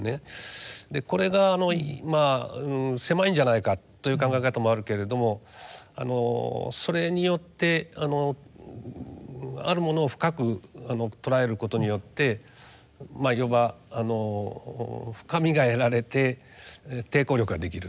これが狭いんじゃないかという考え方もあるけれどもそれによってあるものを深く捉えることによって要は深みが得られて抵抗力ができる。